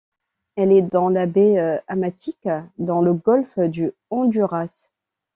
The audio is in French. Elle est dans la baie Amatique, dans le golfe du Honduras.